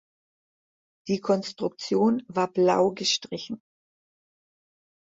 Die Konstruktion war blau gestrichen.